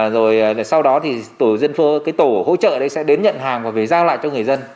rồi sau đó thì tổ hỗ trợ sẽ đến nhận hàng và về giao lại cho người dân